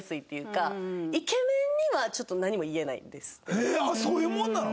えっそういうもんなの？